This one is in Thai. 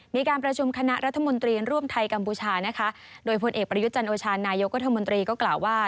มีการประชุมคณะรัฐมนตรีร่วมไทยกัมพูชานะคะโดยพลเอกประยุทธ์จันโอชานายกรัฐมนตรีก็กล่าวว่า